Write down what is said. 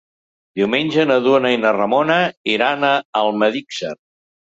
Diumenge na Duna i na Ramona iran a Almedíxer.